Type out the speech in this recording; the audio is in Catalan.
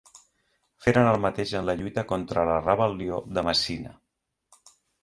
Feren el mateix en la lluita contra la rebel·lió de Messina.